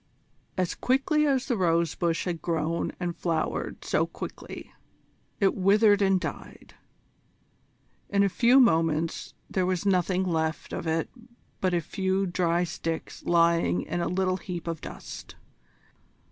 As quickly as the rose bush had grown and flowered so quickly, it withered and died. In a few moments there was nothing left of it but a few dry sticks lying in a little heap of dust.